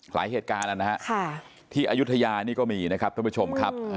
หลายเหตุการณ์นะครับที่อายุทยานี่ก็มีนะครับท่านผู้ชมครับ